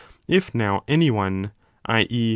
If now any one (i. e.